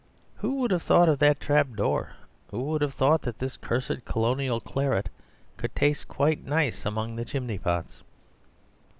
Who would have thought of that trapdoor? Who would have thought that this cursed colonial claret could taste quite nice among the chimney pots?